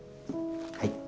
はい。